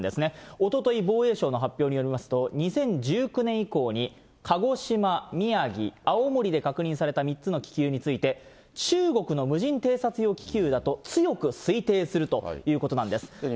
おととい、防衛省の発表によりますと、２０１９年以降に鹿児島、宮城、青森で確認された３つの気球について、中国の無人偵察用気球だと強く推定するということなんです。